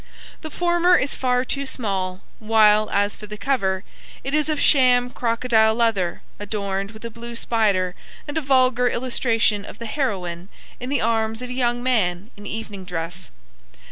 The former is far too small: while, as for the cover, it is of sham crocodile leather adorned with a blue spider and a vulgar illustration of the heroine in the arms of a young man in evening dress.